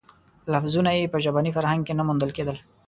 لفظونه یې په ژبني فرهنګ کې نه موندل کېدل.